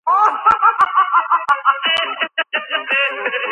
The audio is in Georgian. დაკრძალულია პობლეტის მონასტერში.